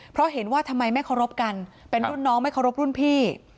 เพราะเห็นว่าทำไมไม่เคารพกันเป็นรุ่นน้องไม่เคารพรุ่นพี่